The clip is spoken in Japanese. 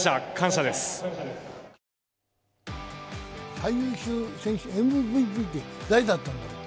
最優秀ＭＶＰって、誰だったんだろう。